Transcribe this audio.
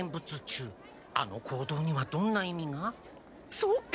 そうか！